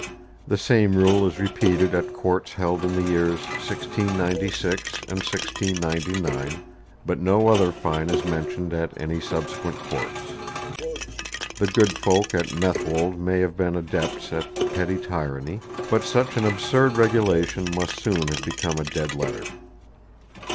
The same rule is repeated at courts held in the years 1696 and 1699, but no other fine is mentioned at any subsequent courts. The good folk at Methwold may have been adepts at petty tyranny, but such an absurd regulation must soon have become a dead letter.